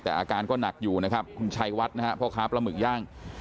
แต่อาการก็หนักอยู่นะครับคุณชัยวัดนะฮะพ่อค้าปลาหมึกย่าง